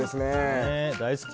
大好き。